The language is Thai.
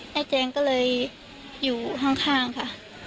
นายแจงก็เลยอยู่ทางค่ะ